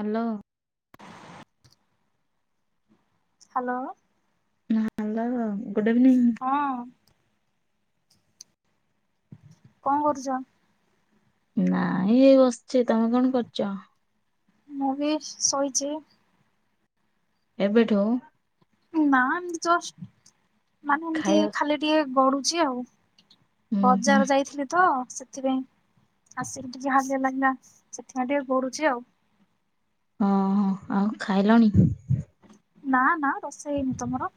Hello. Hello. ଜୟେ ଗୁରୁ good evening. ହଁ। କଣ କରୁଛ? ନାଇଁ ଏଇ ବସିଛି ତମେ କଣ କରୁଛ? ମୁଁ ବି ଶୋଇଚି। ଏବେଠୁ? ଉଁ ନା ଏମିତି ଜଷ୍ଟ ମାନେ ଏମିତି ଖାଇବା ଖାଲି ଟିକେ ଗଡୁଛି ଆଉ। ହୁଁ ହୁଁ ବଜାର ଯାଇଥିଲି ତ ସେ ଥିପାଇଁ ଆସିକି ଟିକେ ହାଲିଆ ଲାଗିଲା ସେଥିପାଇଁ ଟିକେ ଗଡୁଛି ଆଉ। ଅଁ ହଁ ଆଉ ଖାଇଲଣି? ନା ନା ରୋଷେଇ ହେଇନି ତମର?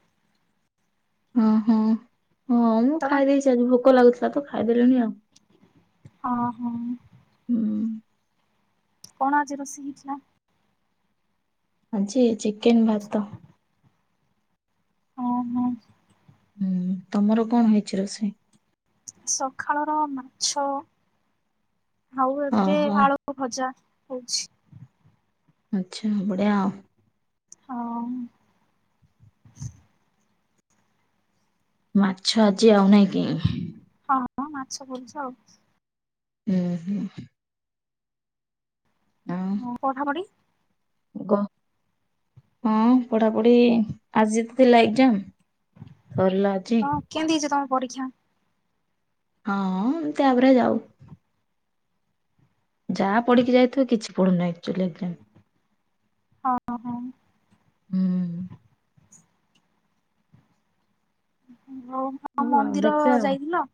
ଓହୋ ହଁ ମୁଁ ତମେ ଖାଇଦେଇଛି ଆଜି ଭୋକ ଲାଗୁଥିଲା ତ ଖାଇଦେଲିଣି ଆଉ। ଅଁ ହଁ। ହୁଁ। କଣ ଆଜି ରୋଷେଇ ହେଇଥିଲା? ଆଜି ଚିକେନ ଭାତ। ଅଁ ହଁ। ହୁଁ ତମର କଣ ହେଇଛି ରୋଷେଇ? ସକାଳର ମାଛ ଆଉ ଏବେ ଓହୋ ଆଳୁ ଭଜା ହୋଉଛି। ଆଚ୍ଛା ବଢ଼ିଆଉ। ହଁ। ମାଛ ଆଜି ଆଉ ନାଇଁ କି? ହଁଁ ହଁ ମାଛ କରୁଚୁ ଆଉ। ଉଁ ହୁଁ। ଆଉ ହଁ ପଢ଼ା ପଢ଼ି? ଗ ହଁ ପଢ଼ାପଢ଼ି ଆଜି ଥିଲା ଏଗ୍ଜାମ୍ ସରିଲା ଆଜି। ହଁ କେମିତି ହେଇଛି ତମ ପରୀକ୍ଷା? ହଁ ଏମିତି ଆଭ୍ରେଜ ଆଉ। ଯାହା ପଢି଼କି ଯାଇଥିବି କିଛି ପଡ଼ୁନ ଆକ୍ଚୁଆଲି ଏଗ୍ଜାମ୍। ହଁ ହଁ ହଁ। ହୁଁ। ଉଁ ହୁଁ ହୋଉ [unintelligible] ହଉ ଆଉ ମନ୍ଦିର ଦେଖିବା ଆଉ ଯାଇଥିଲ?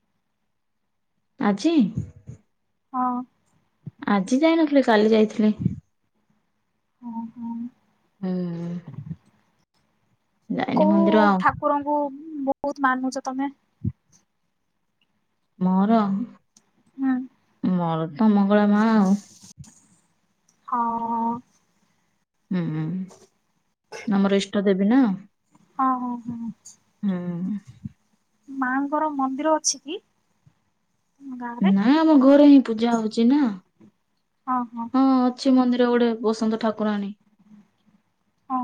ଆଜି? ହଁ। ଆଜି ଯାଇନଥିଲି କାଲି ଯାଇଥିଲି। ଅଁ ହଁ। ହୁଁ। ଯାଇନି ମନ୍ଦିର ଆଉ। କୁରଙ୍କୁ ବୋହୁତ ମାନୁଛ ତମେ। ମୋର? ହୁଁ। ମୋର ତ ମଙ୍ଗଳା ମା ଆଉ। ହଁ। ହୁଁ ଆମର ଇଷ୍ଟ ଦେବୀ ନା। ହଁ ହଁ ହଁ। ହୁଁ। ମା ଙ୍କର ମନ୍ଦିର ଅଛି କି? ତମ ଗାଁରେ? ନାଇଁ ଆମ ଘରେ ହିଁ ପୂଜା ହଉଛି ହଁ ହଁ ନା। ଛି ମନ୍ଦିର ଗୋଟେ ବସନ୍ତ ଠାକୁରାଣୀ। ହଁ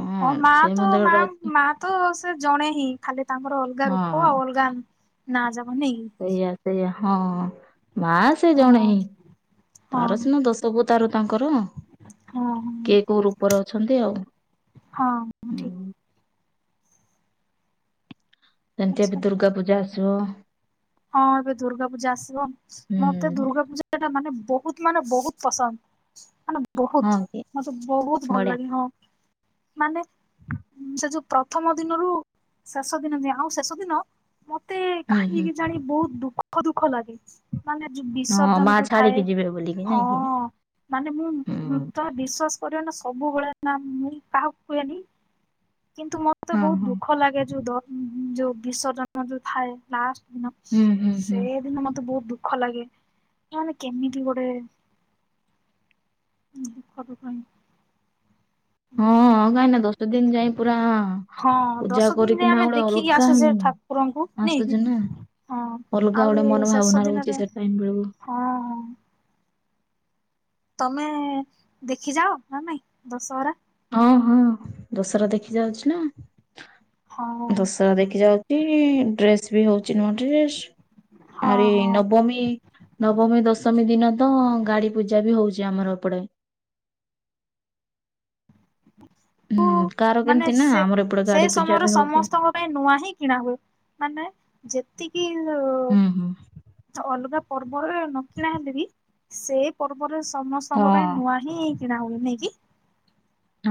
ଅଁ ହଁ ମା ତ ମା-ମା ତ ସେ ଜଣେ ହିଁ ଖାଲି ତାଙ୍କର ଅଲଗା ରୂପ ହଁ। ଆଉ ଅଲଗା ନା ଯାବ ନେଇକି। ସେଇଆ ସେଇଆ ହଁ ମାସ୍ ସେ ଜଣେ ହଁ ହିଁ ହଁ ତାର ସିନା ଦଶ ଅବତାର ତାଙ୍କର। ହଁ କିଏ କୋଉ ରୂପରେ ଅଛନ୍ତି ଆଉ। ହଁ ଠିକ। ହୁଁ। ସେମିତି ଆଛା ଏବେ ଦୁର୍ଗା ପୂଜା ଆସିବ। ହଁ ଏବେ ଦୁର୍ଗା ପୂଜା ଆସିବ। ମତେ ହୁଁ ଦୁର୍ଗା ପୂଜା ସେଟା ମାନେ ବହୁତ ମାନେ ବହୁତ ପସନ୍ଦ। ମାନେ ହଁ ବହୁତ କି ମତେ ବହୁତ ଭଲ ବଢିଆ ଲାଗେ ହଁ, ମାନେ ସେ ଯୋଉ ପ୍ରଥମ ଦିନରୁ ଶେଷ ଦିନ ଯାଏଁ ଆଉ ଶେଷ ଦିନ ମତେ ହୁଁ କାହିଁକି ହୁଁ କେଜାଣି ବହୁତ ଦୁଃଖ ଦୁଃଖ ଲାଗେ। ମାନେ ଯଉ ହଁ ମା ବିସର୍ଜନ ଯୋଉ ଥାଏ ଛାଡିକି ଯିବେ ବୋଲିକି ହଁ। ନାଇଁ କି ମାନେ ମୁଁ ହୁଁ ମୃତ ବିଶ୍ଵାସ କରିବନି ନା ସବୁବେଳେ ନା ମୁଁ କାହାକୁ କୁହେନି। କିନ୍ତୁ ମତେ ହଁ ବହୁତ ହଁ ଦୁଃଖ ଲାଗେ ଯୋଉ ଦ ଯୋଉ ବିସର୍ଜନ ଯୋଉ ଥାଏ ଲାଷ୍ଟ ନ ହୁଁ ହୁଁ ହୁଁ ସେଦିନ ମତେ ବହୁତ ଦୁଃଖ ଲାଗେ। ମାନେ କେମିତି ଗୋଟେ ଦୁଃଖ ଦୁଃଖ ହିଁ। ହଁ କାହିଁକି ନା ଦଶ ଦିନ ଯାଏଁ ପୁରା ହଁ ପୂଜା କରିକିନା ଗୋଟେ ଅଲଗା ହିଁ କୁରଙ୍କୁ ନେଇକି ଆସୁଛି ନା ହଁ ଅଲଗା ଗୋଟେ ମନ ଆହୁରି ଭାବନା ଶେଷ ରହୁଛି ଦିନରେ ସେ ଟାଇମ ବେଳକୁ ହଁ ହଁ। ତମେ ଦେଖି ଯାଅ ନା ନାଇଁ ଦଶହରା? ହଁ ହଁ ଦଶହରା ଦେଖି ଯାଉଛି ନା। ହଁ ଦଶହରା ଦେଖି ଯାଉ ଛି ଡ୍ରେସ ବି ହଉଛି ନୂଆ ଡ୍ରେସ। ହଁ ଆହୁରି ହଁ ନବମୀ ନବମୀ ଦଶମୀ ଦିନ ତ ଗାଡି ପୂଜା ବି ହଉଛି ଆମର ଏପଟେ। ଙ୍କୁ ହୁଁ କାର ମାନେ କେମିତି ନା ସେ ଆମର ଏପଟେ ସେ ଗାଡି ପୂଜା ସମୟରେ ବି ହଉଛି। ସମସ୍ତଙ୍କ ପାଇଁ ନୂଆ ହିଁ କିଣା ହୁଏ। ମାନେ ଯେତିକି ଉ ହୁଁ ହୁଁ। ଅଲଗା ପର୍ବରେ ନ କିଣା ହେଲେବି ସେ ପର୍ବରେ ହଁ ସମସ୍ତଙ୍କ ପାଇଁ ନୂଆ। ହଁ କିଣାହୁଏ ନାହିଁକି?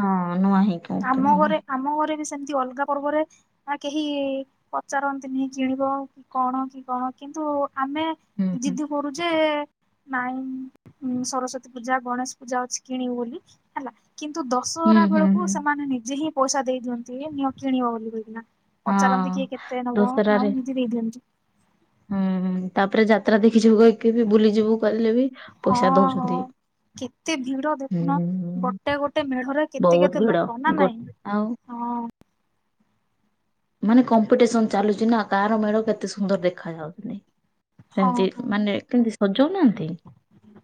ହଁ ନୂଆ ହିଁ। ଆମ ଘରେ ଆମ ଘରେ ବି ସେମତି ଅଲଗା ପର୍ବରେ ନା କେହି ପଚାରନ୍ତିନି କିଣିବ କି କଣ କି କଣ କିନ୍ତୁ ଆମେ ହୁଁ ହୁଁ ଜିଦି କରୁଯେ ନାଇଁ ସରସ୍ଵତୀ ପୂଜା, ଗଣେଶ ପୂଜା ଅଛି କିଣିବୁ ବୋଲି ହେଲା। କିନ୍ତୁ ହୁଁ ଦଶହରା ହୁଁ ବେଳକୁ ହୁଁ ସେମାନେ ନିଜେ ହିଁ ପଇସା ଦେଇ ଦିଅନ୍ତି। ତେ ନିଅ କିଣିବ ବୋଲି କହି କିନା ପଚାରନ୍ତି କିଏ ହଁ। କେତେ ନବ ଆଉ ଦଶହରାରେ ନିଜେ ଦେଇଦିଅନ୍ତି। ହୁଁ ତାପରେ ଯାତ୍ରା ଦେଖିଯିବୁ କହିକି ବୁଲିଯିବୁ କହିଲେ ବି ହଁ ପଇସା ହଁ। ଦଉଛନ୍ତି। କେତେ ଭିଡ ଦେଖୁନ ହୁଁ ଗୋଟେ ଗୋଟେ ମେଢରେ କେତେ ବହୁତ କେତେ ଭିଡ ଲୋକ ନା ଗୋ ନାଇଁ? ଆଉ ହଁ। ମାନେ କମ୍ପିଟିସନ ଚାଲୁଛି ନା, କାହାର ମେଢ କେତେ ସୁନ୍ଦର ଦେଖା ଯାଉଛି କି ନାଇଁ। ହଁ ସେମତି ହଁ। ମାନେ କେମତି ସଜଉନାହାନ୍ତି?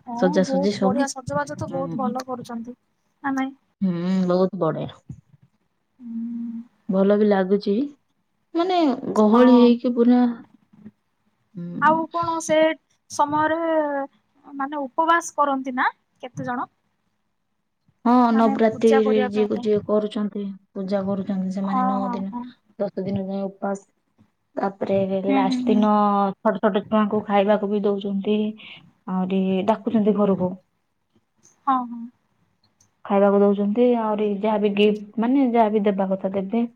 ହଁ ସଜାସଜି ବହୁତ ସବୁ ବଢିଆ ସଜବାଜ ତ ବହୁତ ହୁଁ। ଭଲ କରୁଛନ୍ତି। ହୁଁ ବହୁତ ବଢିଆ। ହୁଁ। ଭଲ ବି ଲାଗୁଛି ମାନେ ଗହଳି ହଁ ହେଇକି ପୁରା ଆଉ ହଁ କଣ ସେ ସମୟରେ ମାନେ ଉପବାସ କରନ୍ତି ନା କେତେ ଜଣ? ହଁ ମାନେ ପୂଜା ନବରାତ୍ରି କରିବା ପାଇଁ ଯିଏ ଯିଏ କରୁଛନ୍ତି ପୂଜା କରୁଛନ୍ତି ସେମାନେ ହଁ ନଅ ଦିନ ହଁ ଦ ଦଶ ଦିନ ଯାଏଁ ଉପାସ ତାପରେ ହଁ ହୁଁ ହୁଁ ଲାଷ୍ଟ ହୁଁ ଦିନ ଛୋଟ ଛୋଟ ଛୁଆଙ୍କୁ ଖାଇବାକୁ ବି ଦଉଛନ୍ତି ଆହୁରି ଡାକୁଛନ୍ତି ଘରକୁ। ହଁ ହଁ। ଖାଇବାକୁ ଦଉଛନ୍ତି ଆହୁରି ଯାହାବି ଗିଫ୍ଟ ମାନେ ଯାହାବି ଦେବା କଥା ଦେବେ।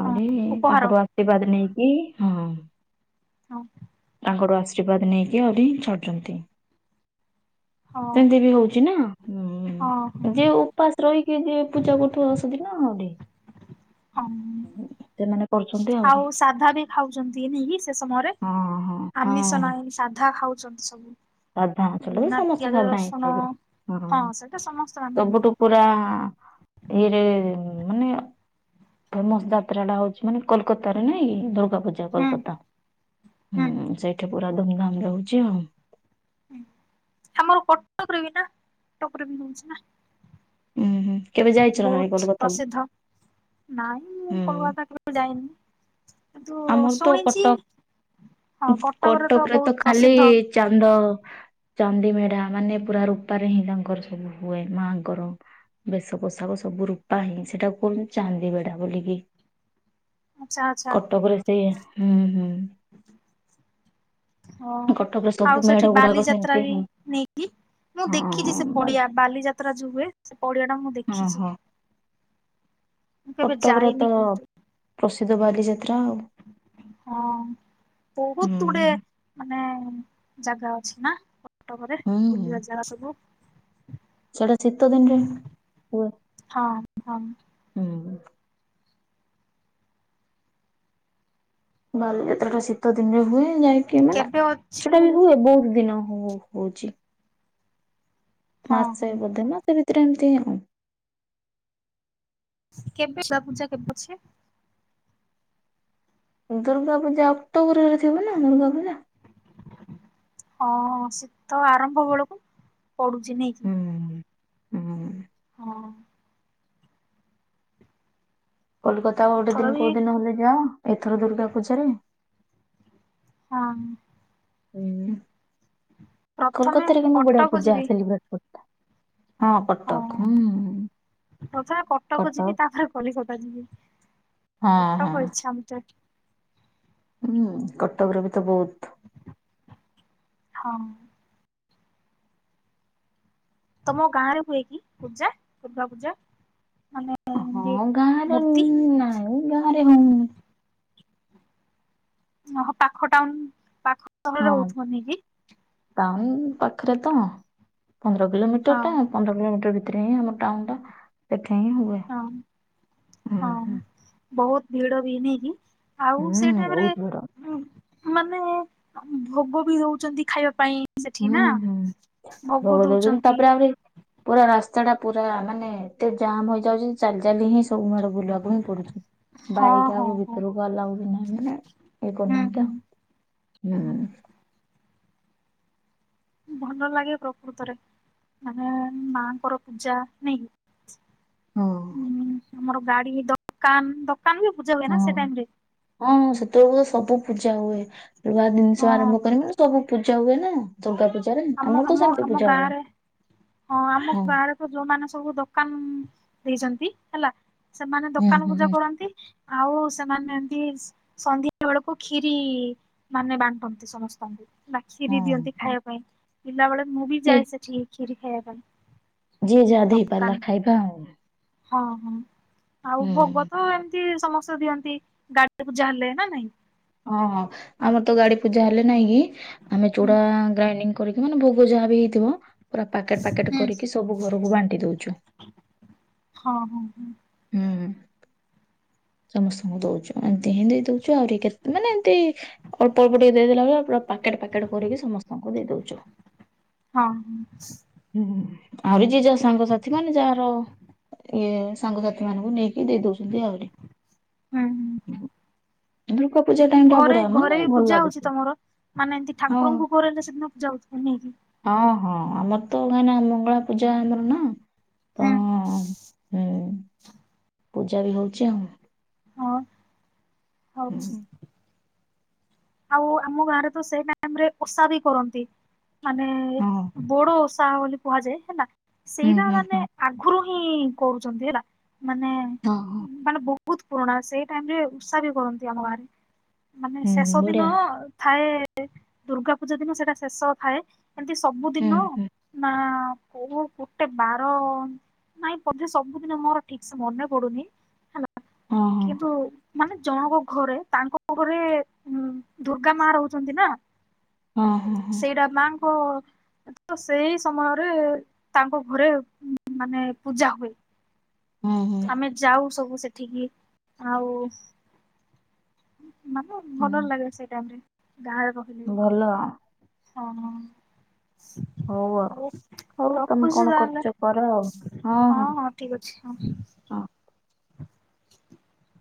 ଆହୁରି ହଁ ଉପହାର ତାଙ୍କର ଆଶୀର୍ବାଦ ନେଇକି ହଁ। ହଁ। ତାଙ୍କଠୁ ଆଶୀର୍ବାଦ ନେଇକି ଆହୁରି ଛାଡୁଛନ୍ତି। ହଁ ସେମିତି ବି ହଉଛି ନା। ହଁ। ହଁ ହୁଁ ଯିଏ ଉପାସ ରହିକି ଯିଏ ପୂଜା କରୁଥିବ ସେଦିନ ହଁ [unintelligible] ଆହୁରି ଆଉ ସାଧା ବି ଖାଉଛନ୍ତି ନାଇ କି ସେ ସମୟରେ? ହଁ ହଁ ଆମିଷ ହଁ ନାହିଁ ସାଧା ଖାଉଛନ୍ତି ସବୁ। ସାଧା ଆଚୁଏଲି ବିନା ସମସ୍ତେ ପିଆଜ ସାଧା ହିଁ ରସୁଣ ଖାଇବେ ହଁ ସେଇଟା ସମସ୍ତେ ମାନନ୍ତି ସବୁଠୁ ପୁରା ଇଏରେ ମାନେ ଫେମସ୍ ଯାତ୍ରା ଟା ହଉଛି ମାନେ କୋଲକାତାରେ ନାଇଁକି ଦୁର୍ଗା ପୂଜା ହୁଁ କୋଲକାତା। ହୁଁ ସେଇଠି ପୁରା ଧୁମଧାମରେ ହଉଛି ଆଉ। ଆମର କଟକରେ ବି ନା କଟକ ବି ହଉଛି ନା। ଉୁଁ ହୁଁ କେବେ ଯାଇଛ ନା ନାଇ ବହୁତ କଲିକତାକୁ? ପ୍ରସିଦ୍ଧ। ନାଇଁ ମୁଁ କୋଲକାତା କେବେ ଯାଇନି? କିନ୍ତୁ ଆମର ତ ଶୁଣିଛି କଟକ ହଁ କଟକରେ ତ ବହୁତ ପ୍ରସିଦ୍ଧ। ଚାଣ୍ଡ ଚାନ୍ଦିମେଢା ମାନେ ପୁରା ରୂପାରେ ହିଁ ତାଙ୍କର ସବୁ ହୁଏ ମାଆଙ୍କର। ବେଶ ପୋଷାକ ସବୁ ରୂପା ହିଁ ସେଟାକୁ କୁହନ୍ତୁ ଚାନ୍ଦିିବେଡା ବୋଲିକି। ଆଛା ଆଛା। କଟକରେ ସେଇଆ, ହୁଁ ହୁଁ। ହଁ କଟକରେ ସବୁ ଆଉ ମେଢ ସେଠି ଗୁଡାକ ସେମିତି ବାଲିଯାତ୍ରା ବି ହିଁ ନେଇକି ମୁଁ ହଁ ଦେଖିଛି ସେ ପଡିଆ ବାଲିଯାତ୍ରା ଯୋଉ ହୁଏ, ସେ ପଡିଆ ଟା ମୁଁ ହଁ ଦେଖିଛି। ହଁ। ମୁଁ କେବେ କଟକର ଯାଇନି ତ କିନ୍ତୁ ପ୍ରସିଦ୍ଧ ବାଲିଯାତ୍ରା ଆଉ। ହଁ ବହୁତ ଗୁଡେ ହୁଁ। ମାନେ ଜାଗା ଅଛି ନା। କଟକରେ ହୁଁ ହୁଁ ବୁଲିବା ଯାଗା ସବୁ। ସେଟା ଶୀତ ଦିନରେ ହୁଏ। ହଁ ହଁ। ହୁଁ। ବାଲିଯାତ୍ରା ଟା ଶୀତ ଦିନରେ ହୁଏ ଯାଇକି ମାନେ କେବେ ଅଛି ସେଟା ବି ହୁଏ ବହୁତ ଦିନ ହୁଏ। ହଉଛି ହଁ ହଁ ମାସେ ବୋଧେ, ମାସ ଭିତରେ ଏମିତି ଆ [unintelligible] ଦୁର୍ଗା ପୂଜା ଅକ୍ଟୋବର ରେ ଥିବ ନା ଦୁର୍ଗା ପୂଜା। ହଁ ଶୀତ ଆରମ୍ଭ ବେଳକୁ ପଡୁଛି ନେଇକି। ହୁଁ ହୁଁ। ହଁ। କୋଲକାତା ଗୋଟେ ଏଥର ଦିନ ବି କୋଉ ଦିନ ହେଲେ ଯାଅ ଏଥର ଦୁର୍ଗା ପୂଜାରେ? ହଁ। ହିଁ, ପ୍ରଥମେ କୋଲକାତାରେ କେନ୍ତୁ ବଢିଆ କଟକ ପୂଜା ଯିବି ସେଲିବ୍ରେଟ୍ କର ହଁ କଟକ ହଁ ହୁଁ। ପ୍ରଥମେ କଟକ ଯିବି ତାପରେ କଲିକତା ଯିବି। ହଁ ହଁ କଟକ ଇଛା ମୋତେ। ହୁଁ କଟକରେ ବିି ତ ବହୁତ ହଁ। ତମ ଗାଁ ରେ ହୁଏ କି ପୂଜା ଦୁର୍ଗା ପୂଜା? ମାନେ ଏମତି ହଁ ଗାଁରେ ମୂର୍ତ୍ତି ନାଇଁ ଗାଁରେ ହଉନି। ଓ ପାଖ ଟାଉନ ପାଖ ସହରରେ ହଉଥିବନି କି? ଟାଉନ୍ ପାଖରେ ତ ପନ୍ଦର କିଲୋମିଟର ହଁ ଟା। ପନ୍ଦର କିଲୋମିଟର ଭିତରେ ହିଁ ଆମ ଟାଉନ ଟା ସେଠହିଁ ହୁଏ। ହଁ ହୁଁ ହଁ ହୁଁ ବହୁତ ଭିଡ ବି ନେଇକି। ଆଉ ସେ ହୁଁ ଟାଇମରେ ବହୁତ ଭିଡ ଉ ମାନେ ଭୋଗ ବି ଦଉଛନ୍ତି ଖାଇବା ପାଇଁ। ସେଠି ହୁଁ ନା ହୁ ଭୋଗ [unintelligible] ଦଉଛନ୍ତି ତାପରେ ଆହୁରି ପୁରା ରାସ୍ତା ଟା ପୁରା ମାନେ ଏତେ ଜାମ୍ ହୋଇଯାଉଛି ଚାଲି ଚାଲି ହିଁ ସବୁ ମାଡ ବୁଲିବାକୁ ହିଁ ପଡୁଚି। ହଁ ବାଇକ ହଁ ଆଉ ହଁ ଭିତରକୁ ଆଲାଉ ବି ନାହିଁ ମାନେ ଇଏ ହୁଁ କରୁନାହାନ୍ତି ହୁଁ ଆଉ ହୁଁ। ଭଲ ଲାଗେ ପ୍ରକୃତରେ ମାନେ ମାଙ୍କର ପୂଜା ନାଇଁକି। ହଁ। ଆମର ଗାଡି ଦୋକାନ ଦ କାନ ବି ପୁଜା। ହଁ ହଁ ସେତେବେଳକୁ ସବୁ ପୂଜା ହୁଏ ନୁଆ ଜିନିଷ ହଁ ଆରମ୍ଭ କରମୁ ସବୁ ପୂଜା ହୁଏ ନା ଦୁର୍ଗା ପୂଜାରେ ଆମ ଆମର ତ ଆମ ସେମତି ଆମ ପୂଜା ହୁଏ ଗାଁରେ ଆମ ହଁ। ଗାଁରେ ଯୋଉମାନେ ସବୁ ଦୋକାନ ଦେଇଚନ୍ତି ହେଲା ସେମାନେ ହୁଁ ଦୋକାନ ହୁଁ ପୂଜା ହୁଁ କରନ୍ତି। ଆଉ ସେମାନେ ଏମତି ସନ୍ଧ୍ୟା ବେଳକୁ ଖ୍ଷିରି ମାନେ ବାଣ୍ଟନ୍ତି ସମସ୍ତଙ୍କୁ ନା ଖ୍ଷିରି ଦିଅନ୍ତି ହଁ ଖାଇବା ପାଇଁ ପିଲା ବେଳେ ମୁଁ ବି କିଏ ଯାଏ ସେଠିକି ଖ୍ଷିରି ଖାଇବା ପାଇଁ ଯିଏ ଯାହା ଦେଇ ଦୋକାନ ପାରିଲା ଖାଇବା ଆଉ ହଁ ହଁ ଆଉ ହୁଁ। ଭୋଗ ତ ଏମିତି ସମସ୍ତେ ଦିଅନ୍ତି ଗାଡିଟେ ପୂଜା ହେଲେ ନା ନାଇଁ। ଅଁ ହଁ ଆମର ତ ଗାଡି ପୂଜା ହେଲେ ନାଇଁ କି ଆମେ ହୁଁ ଚୁଡା ଗ୍ରାଇଣ୍ଡି କରିକି ମାନେ ଭୋଗ ଯାହା ବି ହେଇଥିବ ପୁରା ପକେଟ ପକେଟ ହୁଁ କରିକି ସବୁ ଘରକୁ ବାଣ୍ଟି ଦଉଛୁ। ହଁ ହଁ ହଁ। ହୁଁ। ସମସ୍ତଙ୍କୁ ଦଉଚୁ ଏମିତି ହିଁ ଦେଇ ଦଉଚୁ ଆହୁରି କେତ ମାନେ ଏମତି ଅଳ୍ପ ଅଳ୍ପ ଟିକେ ଦେଇଦେଲାବେଳେ ପୁରୀ ପ୍ୟାକେଟ ପ୍ୟାକେଟ କରିକି ସମସ୍ତଙ୍କୁ ଦେଇ ଦଉଚୁ। ହଁ ହ ସି ହୁଁ ଆହୁରି ଯିଏ ଯା ସାଙ୍ଗସାଥି ମାନେ ଯାହାର ଇଏ ସାଙ୍ଗସାଥି ମାନଙ୍କୁ ନେଇକି ଦେଇ ଦଉଚନ୍ତି ଆହୁରି ହୁଁ ହୁଁ ଦୁର୍ଗା ପୂଜା ଟାଇମ ଟା ଘରେ ବଢିଆ ମାନେ ଘରେ ବି ଭଲ ପୂଜା ହଉଛି ଲାଗୁଛି ତମର ମାନେ ଏମିତି ହଁ ଠାକୁରଙ୍କୁ ଘରେ ହେଲେ ସେଦିନ ପୂଜା ହଉଚି ନେଇକି ହଁ ହଁ ଆମର ତ କାଇନା ଆମ ମଙ୍ଗଳା ପୂଜା ଆମର ନା ତ ହୁଁ ଉଁ ପୂଜା ବି ହଉଚି ଆଉ ହଁ ହଉ ହୁଁ ଆଉ ଆମ ଗାଁରେ ତ ସେଇ ଟାଇମ ରେ ଓଷା ବି କରନ୍ତି ମାନେ ହଁ ବଡ ଓଷା ବୋଲି କୁହାଯାଏ ହେଲା ହୁଁ ସେଇଟା ହୁଁ ହୁଁ ମାନେ ଆଗରୁ ହିଁ କରୁଚନ୍ତି ହେଲା ମାନେ ହଁ ହ। ମାନେ ବହୁତ ପୁରୁଣା ସେଇ ଟାଇମ ରେ ଉଷା ବି କରନ୍ତି ଆମ ଗାଁରେ ମାନେେ ସେସ୍ ହୁଁ ବଢିଆ ଥାଏ ଦୁର୍ଗା ପୂଜା ଦିନ ସେଇଟା ଶେଷ ଥାଏ। ଏମିତି ହୁଁ ସବୁଦିନ ହୁଁ ନା କୋଉ ଗୋଟେ ବାର ନାଇଁ ପ ସବୁଦିନ ମୋର ଠିକ୍ ସେ ମନେ ପଡୁନି ହେଲା ହଁ କିନ୍ତୁ ମାନେ ଜଣଙ୍କ ଘରେ ତାଙ୍କ ଘରେ ଉ ଦୁର୍ଗା ମା ରହୁଚନ୍ତି ନା ହଁ ହଁ ହଁ ସେଇଟା ମାଙ୍କ ତ ସେଇ ସମୟରେ ତାଙ୍କ ଘରେ ମାନେ ପୂଜା ହୁଏ। ହଁ ହୁଁ ଆମେ ଯାଉ ସବୁ ସେଠିକି ଆଉ- ମାନେ ହୁଁ ଭଲ ଲାଗେ ସେଇ ଟାଇମରେ ଗାଁ ର ଭଲ ହଁ ହ। ହଉ ଆଉ ହଉ ତମେ ରଖୁଛି କଣ କରୁଚ କର ଆଉ ହଁ ହଁ। ଠିକ୍ ଅଛି ହଁ। ହଁ ହ [unintelligible]